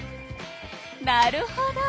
なるほど！